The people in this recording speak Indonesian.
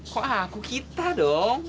kok aku kita dong